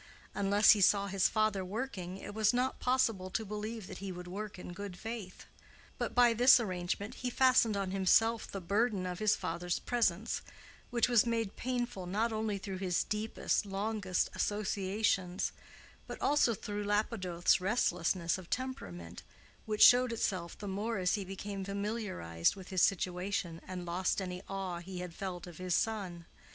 Unless he saw his father working, it was not possible to believe that he would work in good faith. But by this arrangement he fastened on himself the burden of his father's presence, which was made painful not only through his deepest, longest associations, but also through Lapidoth's restlessness of temperament, which showed itself the more as he become familiarized with his situation, and lost any awe he had felt of his son.